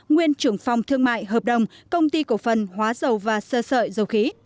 nguyên trưởng phòng thương mại hợp đồng công ty cổ phần hóa dầu và sơ sợi dầu khí